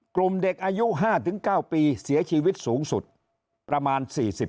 กลุ่มเด็กอายุ๕๙ปีเสียชีวิตสูงสุดประมาณ๔๐